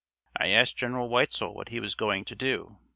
I asked General Weitzel what he was going to do.